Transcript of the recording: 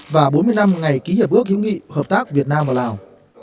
và bốn mươi năm ngày ký hiệp ước hiểm nghị hợp tác việt nam lào